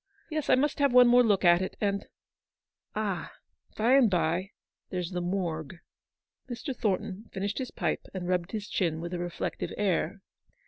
Yes, I must have one more look at it, and — Ah ! by the bye, there's the Morgue ! p Mr. Thornton finished his pipe and rubbed his chin with a reflective air.